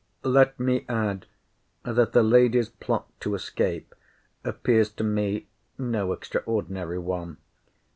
Let me add, that the lady's plot to escape appears to me no extraordinary one.